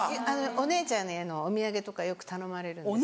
お姉ちゃんへのお土産とかよく頼まれるんです。